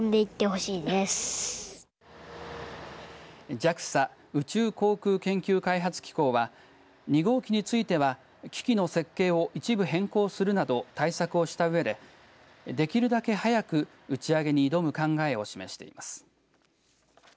ＪＡＸＡ＝宇宙航空研究開発機構は２号機については機器の設計を一部変更するなど対策をしたうえでできるだけ早く打ち上げに挑む考えを示しています。